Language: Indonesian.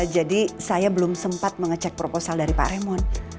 jadi saya belum sempat mengecek proposal dari pak raymond